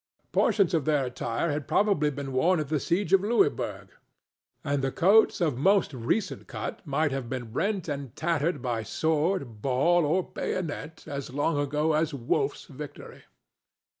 Portions of their attire had probably been worn at the siege of Louisburg, and the coats of most recent cut might have been rent and tattered by sword, ball or bayonet as long ago as Wolfe's victory.